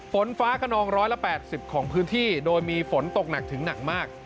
ฝนฟ้าขนอง๑๘๐ของพื้นที่โดยมีฝนตกหนักถึงหนักมาก